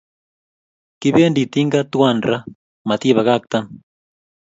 Kipendi tinga twan raa matinbakaktan